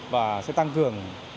và sẽ tăng cường một trăm linh